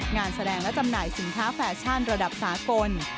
งานแสดงและจำหน่ายสินค้าแฟชั่นระดับสากล